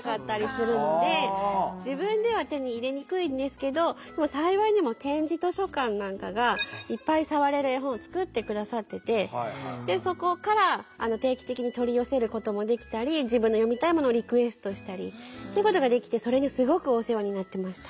ただやっぱり幸いにも点字図書館なんかがいっぱい触れる絵本を作って下さっててでそこから定期的に取り寄せることもできたり自分の読みたいものをリクエストしたりってことができてそれにすごくお世話になってました。